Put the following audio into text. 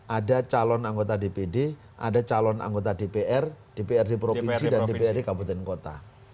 ada calon anggota dpd ada calon anggota dpr dprd provinsi dan dprd kabupaten kota